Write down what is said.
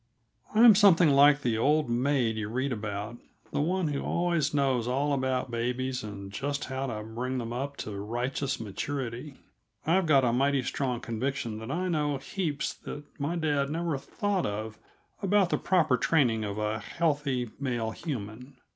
I'm something like the old maid you read about the one who always knows all about babies and just how to bring them up to righteous maturity; I've got a mighty strong conviction that I know heaps that my dad never thought of about the proper training for a healthy male human.